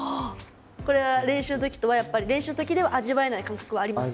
これは練習の時とはやっぱり練習の時では味わえない感覚はありますか？